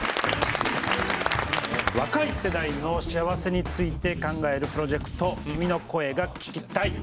若い世代の幸せについて考えるプロジェクト「君の声が聴きたい」。